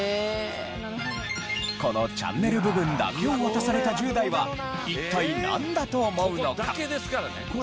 このチャンネル部分だけを渡された１０代は一体なんだと思うのか？